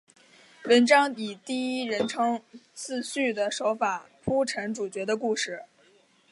文章以第一人称自叙的手法铺陈主角的故事。